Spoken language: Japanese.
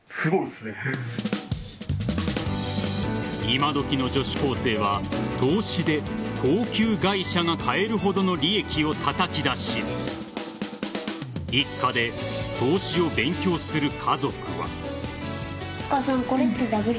いまどきの女子高生は投資で高級外車が買えるほどの利益をたたき出し一家で投資を勉強する家族は。